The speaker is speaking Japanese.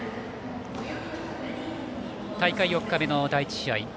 大会４日目の第１試合。